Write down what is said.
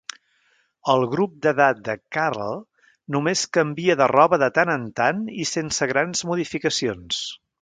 El grup d'edat de Carl només canvia de roba de tant en tant i sense grans modificacions.